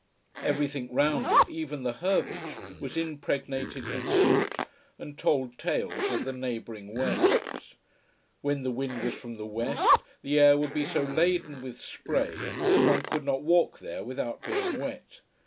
Everything round it, even the herbage, was impregnated with salt, and told tales of the neighbouring waves. When the wind was from the west the air would be so laden with spray that one could not walk there without being wet.